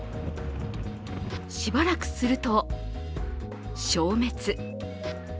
しばらくすると、消滅。